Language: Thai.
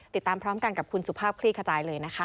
ติดตามพร้อมกันกับคุณสุภาพคลี่ขจายเลยนะคะ